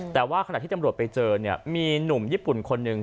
แต่ว่าขณะที่ตำรวจไปเจอเนี่ยมีหนุ่มญี่ปุ่นคนหนึ่ง